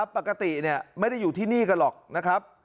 ปกติไม่ได้อยู่ที่นี่กันหรอกนะครับ